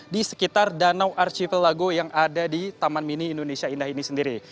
di sekitar danau archipel lago yang ada di taman mini indonesia indah ini sendiri